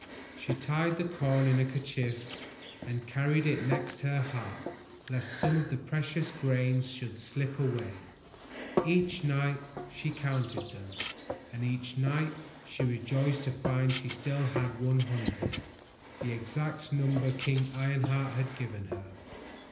She tied the corn in a kerchief and carried it next her heart lest some of the precious grains should slip away. Each night she counted them, and each night she rejoiced to find she had still one hundred, the exact number King Ironheart had given her.